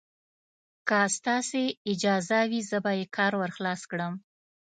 که ستاسې اجازه وي، زه به یې کار ور خلاص کړم.